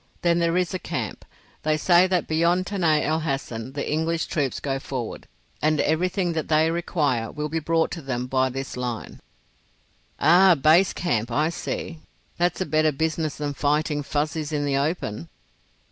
Then there is a camp. They say that beyond Tanai el Hassan the English troops go forward, and everything that they require will be brought to them by this line." "Ah! Base camp. I see. That's a better business than fighting Fuzzies in the open."